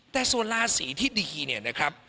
แต่ส่วนราศีที่ดีค่ะ